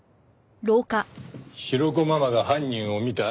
ヒロコママが犯人を見た？